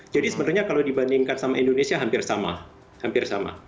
jadi sebenarnya kalau dibandingkan dengan indonesia hampir sama